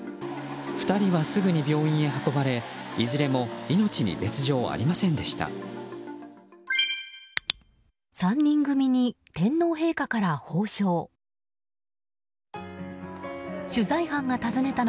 ２人はすぐに病院に運ばれいずれも命に別条はありませんでした。